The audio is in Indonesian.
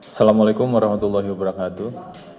assalamu'alaikum warahmatullahi wabarakatuh